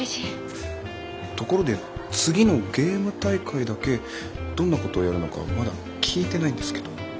ところで次のゲーム大会だけどんなことをやるのかまだ聞いてないんですけど。